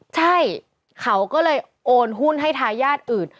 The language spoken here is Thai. ใช่เขาก็เลยโอนหุ้นให้ทายาทอื่น